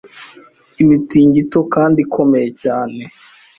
imitingito kandi ikomeye cyane